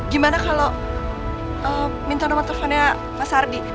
gimana kalau minta nomor teleponnya mas ardi